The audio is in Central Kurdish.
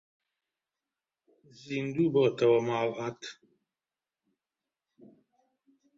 زیندوو بۆتەوە ماڵات